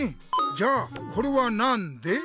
じゃあこれはなんで？